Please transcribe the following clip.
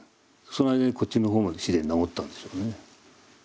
その間にこっちの方も自然に治ったんでしょうね。